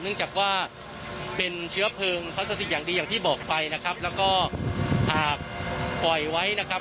เนื่องจากว่าเป็นเชื้อเพลิงพลาสติกอย่างดีอย่างที่บอกไปนะครับแล้วก็หากปล่อยไว้นะครับ